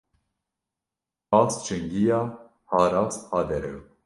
Tas çingiya, ha rast ha derew